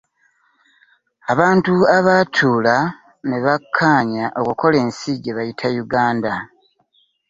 Abantu abatuula ne bakkaanya okukola ensi gye bayita Uganda